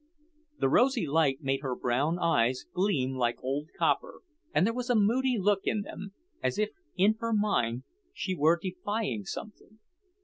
The rosy light made her brown eyes gleam like old copper, and there was a moody look in them, as if in her mind she were defying something.